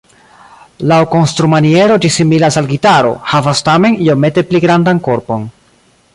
Laŭ konstrumaniero ĝi similas al gitaro, havas tamen iomete pli grandan korpon.